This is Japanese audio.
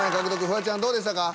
フワちゃんどうでしたか？